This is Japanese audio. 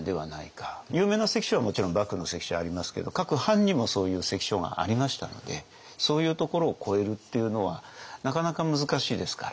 有名な関所はもちろん幕府の関所はありますけど各藩にもそういう関所がありましたのでそういうところを越えるっていうのはなかなか難しいですから。